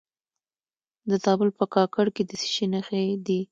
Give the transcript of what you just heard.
د زابل په کاکړ کې د څه شي نښې دي؟